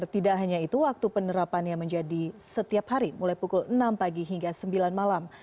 tidak hanya itu waktu penerapannya menjadi setiap hari mulai pukul enam pagi hingga sembilan malam